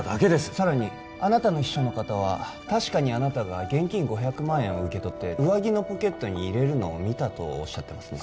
さらにあなたの秘書の方は確かにあなたが現金５００万円を受け取って上着のポケットに入れるのを見たとおっしゃってますね